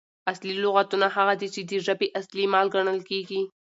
اصلي لغاتونه هغه دي، چي د ژبي اصلي مال ګڼل کیږي.